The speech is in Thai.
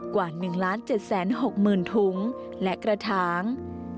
กว่า๑๗๖๐๐๐ถุงและกระถาง